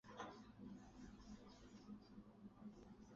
官至陕西布政使参议。